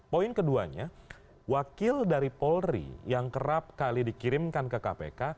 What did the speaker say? poin keduanya wakil dari polri yang kerap kali dikirimkan ke kpk